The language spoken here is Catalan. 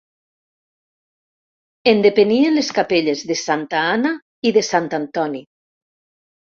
En depenien les capelles de Santa Anna i de Sant Antoni.